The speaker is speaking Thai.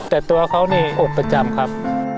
แต่ตัวเขานี่อบประจำครับ